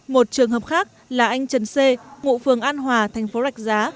một trường hợp khác là anh trần c ngụ phường an hòa thành phố rạch giá